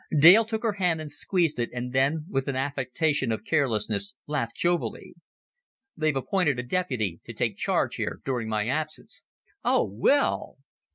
Dale took her hand, squeezed it, and then, with an affectation of carelessness, laughed jovially. "They've appointed a deputy to take charge here during my absence." "Oh, Will!"